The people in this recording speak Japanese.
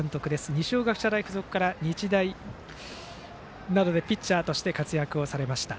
二松学舎大付属から日大などでピッチャーとして活躍されました。